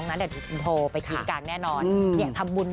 ได้ครับเดี๋ยวใกล้จะบอก